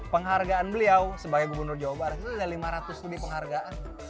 penghargaan beliau sebagai gubernur jawa barat itu ada lima ratus lebih penghargaan